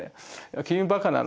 「君バカなの？